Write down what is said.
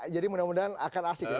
jadi mudah mudahan akan asik ya